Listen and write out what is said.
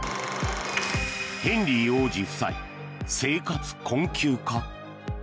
ヘンリー王子夫妻生活困窮か。